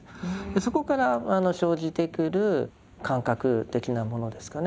そこから生じてくる感覚的なものですかね